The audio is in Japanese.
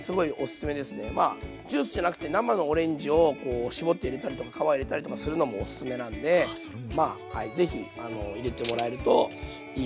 まあジュースじゃなくて生のオレンジを絞って入れたりとか皮入れたりとかするのもおすすめなんでまあ是非入れてもらえるといいと思います。